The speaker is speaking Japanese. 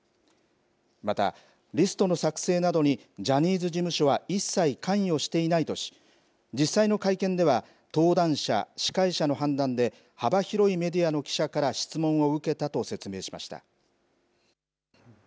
また、リストの作成などにジャニーズ事務所は一切、関与していないとし実際の会見では登壇者、司会者の判断で幅広いメディアの記者から質問を受けたと説明しました。